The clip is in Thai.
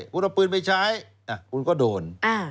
คุณเอาปืนไปใช้คุณก็โดน